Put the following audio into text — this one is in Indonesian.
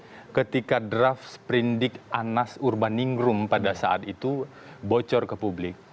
bahwa kebocoran itu terjadi ketika drafts prindik anas urbaningrum pada saat itu bocor ke publik